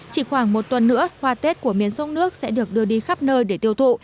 chỉ khoảng một tuần nữa hoa tết của miền sông nước sẽ được đưa đi khắp nơi để tiêu thụ